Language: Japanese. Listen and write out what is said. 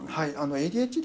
ＡＤＨＤ